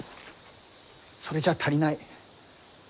それじゃあ足りない。